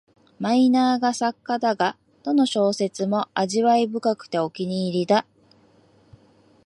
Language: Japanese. マイナーな作家だが、どの小説も味わい深くてお気に入りだ